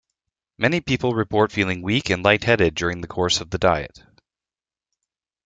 Many people report feeling weak and light-headed during the course of the diet.